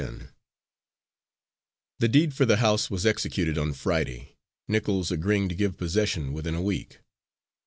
Ten The deed for the house was executed on Friday, Nichols agreeing to give possession within a week.